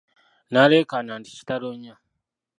N'aleekaana nti Kitalo nnyo!